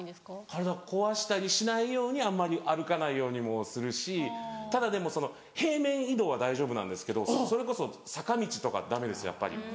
体こわしたりしないようにあんまり歩かないようにもするしただでもその平面移動は大丈夫なんですけどそれこそ坂道とかダメですやっぱり。